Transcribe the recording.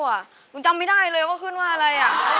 หนูจำไม่ได้เลยว่าขึ้นว่าอะไร